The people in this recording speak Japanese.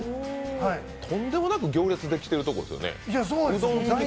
とんでもなく行列できてるところですよね？